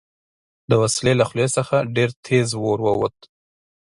د وسلې له خولې څخه ډېر تېز اور ووت